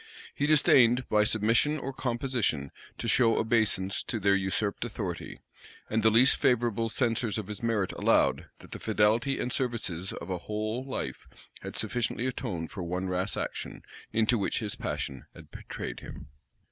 He disdained, by submission or composition, to show obeisance to their usurped authority; and the least favorable censors of his merit allowed, that the fidelity and services of a whole life had sufficiently atoned for one rash action, into which his passion had betrayed him.